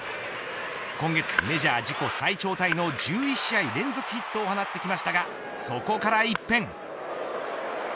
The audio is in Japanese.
今月、メジャー自己最長タイの１１試合連続ヒット放ちましたがそこから一転。